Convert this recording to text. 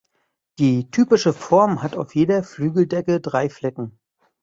Die typische Form hat auf jeder Flügeldecke drei Flecken.